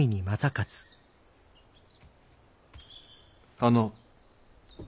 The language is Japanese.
あの。